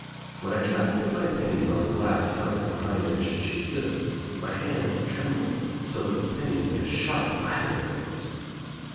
When I tried to put my pennies on the glass counter, behind which she stood, my hand trembled so that the pennies made a sharp rattling noise.